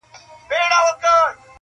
o پر اخوند ښوروا ډېره ده.